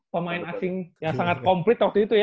pemain asing yang sangat komplit waktu itu ya